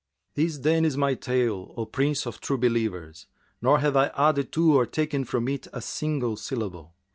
This, then, is my tale, O Prince of True Believers, nor have I added to or taken from it a single syllable.